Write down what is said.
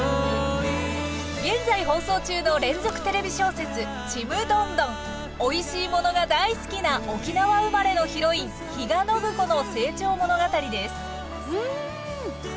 現在放送中の連続テレビ小説おいしいものが大好きな沖縄生まれのヒロイン比嘉暢子の成長物語です。